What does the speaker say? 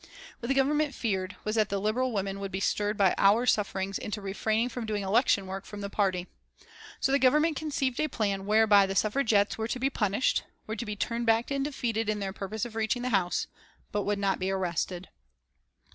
What the Government feared, was that the Liberal women would be stirred by our sufferings into refraining from doing election work for the party. So the Government conceived a plan whereby the Suffragettes were to be punished, were to be turned back and defeated in their purpose of reaching the House, but would not be arrested.